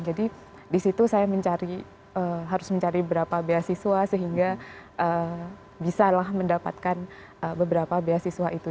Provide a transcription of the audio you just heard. jadi di situ saya mencari harus mencari beberapa beasiswa sehingga bisalah mendapatkan beberapa beasiswa itu